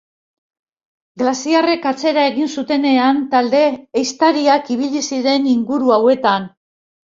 Glaziarrek atzera egin zutenean talde ehiztariak ibili ziren inguru hauetan.